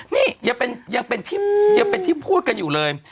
นี่ยังเป็นที่พูดกันอยู่เลย